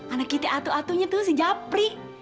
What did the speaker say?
anak kita atu atunya tuh si japri